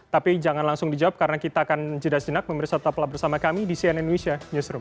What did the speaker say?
tapi jangan langsung dijawab karena kita akan jedas jenak memberi sotaplah bersama kami di cnn indonesia newsroom